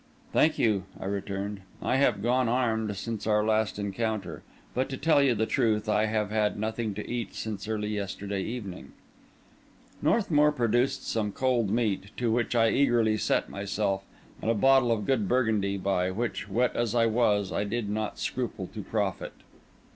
"Thank you," I returned; "I have gone armed since our last encounter. But, to tell you the truth, I have had nothing to eat since early yesterday evening." Northmour produced some cold meat, to which I eagerly set myself, and a bottle of good Burgundy, by which, wet as I was, I did not scruple to profit.